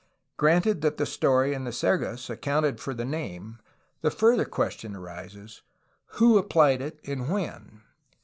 Granted that the story in the Sergas accounted for the name, the further question arises : Who applied it and when?